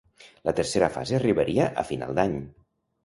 La tercera fase arribaria a final d’any.